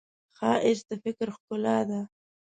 ښایست د فکر ښکلا ده